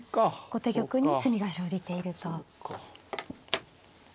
後手玉に詰みが生じていると。